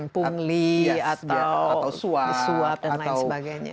pungli atau suap dan lain sebagainya